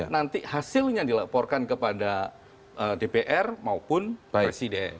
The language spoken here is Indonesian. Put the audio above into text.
nanti hasilnya dilaporkan kepada dpr maupun presiden